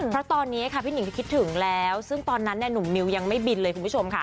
เพราะตอนนี้ค่ะพี่หิงคิดถึงแล้วซึ่งตอนนั้นหนุ่มมิวยังไม่บินเลยคุณผู้ชมค่ะ